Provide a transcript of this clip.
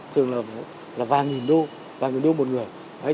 thường là vài nghìn đô vài nghìn đô một người